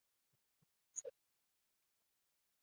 雍正十三年出任福建台湾府凤山县知县。